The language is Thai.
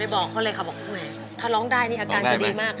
บอกเขาเลยค่ะถ้าร้องได้นี่ค่ะการจะดีมาก